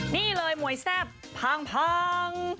นี่เลยมวยแซ่บพัง